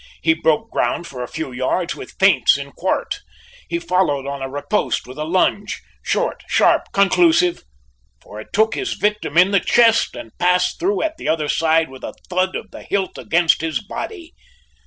He broke ground for a few yards with feints in quarte. He followed on a riposte with a lunge short, sharp, conclusive, for it took his victim in the chest and passed through at the other side with a thud of the hilt against his body.